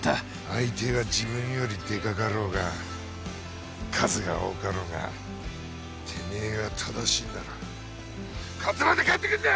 相手が自分よりでかかろうが数が多かろうがてめえが正しいなら勝つまで帰ってくんな！